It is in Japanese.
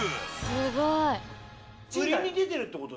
すごい。